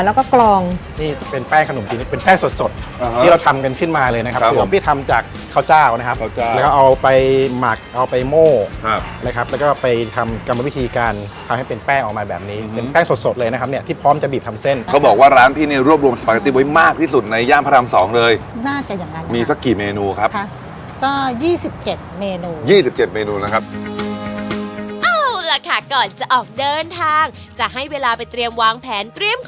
แล้วก็กรองนี่เป็นแป้งขนมชีนี้เป็นแป้งสดสดอ่าฮะที่เราทำกันขึ้นมาเลยนะครับครับผมพี่ทำจากข้าวจ้าวนะครับข้าวจ้าวแล้วก็เอาไปหมักเอาไปโม่ครับนะครับแล้วก็ไปทำกรรมวิธีการทำให้เป็นแป้งออกมาแบบนี้เป็นแป้งสดสดเลยนะครับเนี้ยที่พร้อมจะบีบทำเส้นเขาบอกว่าร้านพี่เนี้ยรวบรวมสปาเกอร์